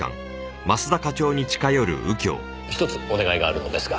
ひとつお願いがあるのですが。